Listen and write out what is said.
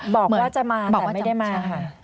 บอกว่าจะมาแต่ไม่ได้มาค่ะ